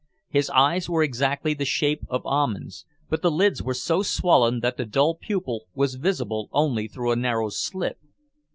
His eyes were exactly the shape of almonds, but the lids were so swollen that the dull pupil was visible only through a narrow slit.